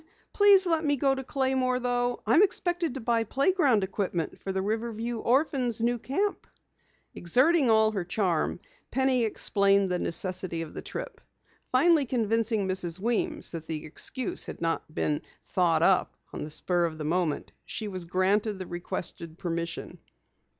Please let me go to Claymore though. I'm expected to buy playground equipment for the Riverview Orphans' new camp." Exerting all her charm, Penny explained the necessity for the trip. Finally convincing Mrs. Weems that the excuse had not been "thought up" on the spur of the moment, she was granted the requested permission.